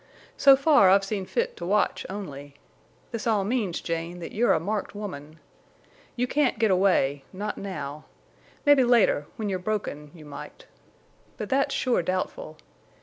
So far I've seen fit to watch only. This all means, Jane, that you're a marked woman. You can't get away—not now. Mebbe later, when you're broken, you might. But that's sure doubtful.